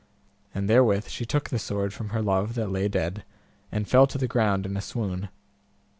And therewith she took the sword from her love that lay dead, and fell to the ground in a swoon.